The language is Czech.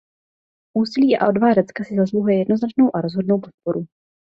Úsilí a odvaha Řecka si zasluhuje jednoznačnou a rozhodnou podporu.